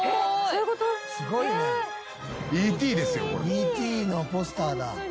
「すごいね」『Ｅ．Ｔ．』のポスターだ。